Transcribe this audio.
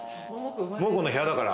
桃子の部屋だから。